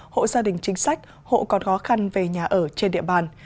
hộ gia đình chính sách hộ còn khó khăn về nhà ở trên địa bàn